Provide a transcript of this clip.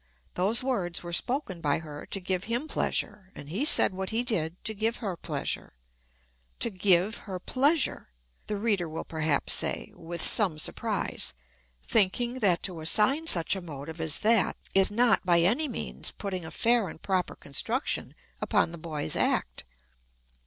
Those words were spoken by her to give him pleasure, and he said what he did to give her pleasure. To give her pleasure! the reader will perhaps say, with some surprise, thinking that to assign such a motive as that is not, by any means, putting a fair and proper construction upon the boy's act.